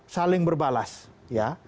saling berbalas ya